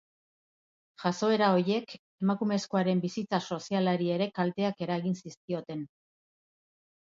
Jazoera horiek emakumezkoaren bizitza sozialari ere kalteak eragin zizkioten.